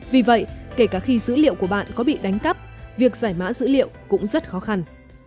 vì vậy kể cả khi dữ liệu của bạn có bị đánh cắp việc giải mã dữ liệu cũng rất khó khăn